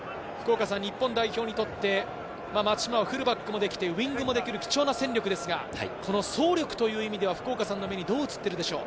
日本代表にとって、松島はフルバックもできて、ウイングもできる貴重な戦力ですが、走力という意味ではどう見ているでしょう？